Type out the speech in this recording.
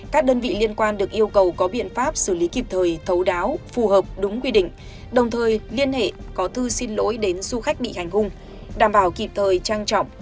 các đơn vị liên quan được yêu cầu có biện pháp xử lý kịp thời thấu đáo phù hợp đúng quy định đồng thời liên hệ có thư xin lỗi đến du khách bị hành hung đảm bảo kịp thời trang trọng